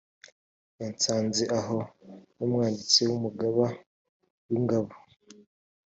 yasanze aho n umwanditsi w umugaba w ingabo